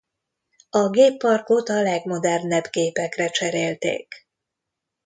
A gépparkot a legmodernebb gépekre cserélték.